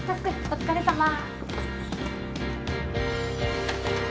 お疲れさま。